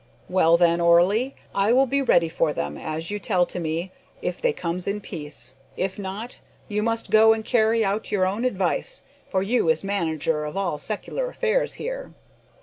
"Well, then, Orley, I will be ready for them, as you tell to me, if they comes in peace; if not, you must go and carry out your own advice, for you is manager of all secular affairs here."